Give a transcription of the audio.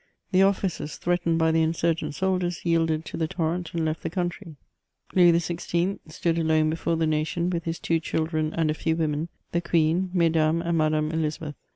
The officers, threatened by their insurgent soldiers, yieldea to the torrent, and left the country. Louis XVI. stood alone before the nation, with his two children and a few women, the queen, Mesdames and Madame Elisabeth.